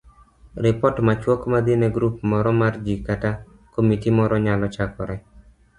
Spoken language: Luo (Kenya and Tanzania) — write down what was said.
Ripot machuok madhi ne grup moro mar ji kata komiti moro nyalo chakore